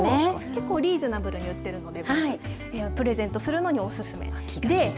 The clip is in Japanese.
結構リーズナブルに売っているのでプレゼントするのにおすすめです。